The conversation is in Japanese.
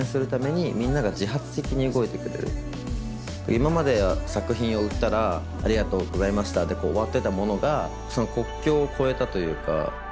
今までは作品を売ったら「ありがとうございました」で終わってたものが国境を超えたというか。